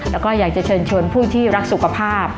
แล้วก็อยากจะเชิญชวนผู้ที่รักสุขภาพ